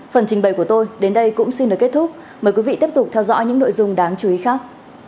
phần trình bày của tôi đến đây cũng xin được kết thúc mời quý vị tiếp tục theo dõi những nội dung đáng chú ý khác